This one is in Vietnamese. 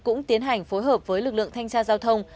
cũng tiến hành phối hợp với lực lượng thanh tra giao thông